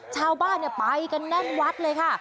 ชาวบ้านไปกันแน่นวัดเลยค่ะ